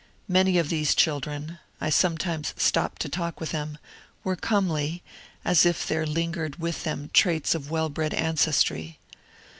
Many of these children — I sometimes stopped to talk with them — were comely, as if there lingered with them traits of well bred ancestry.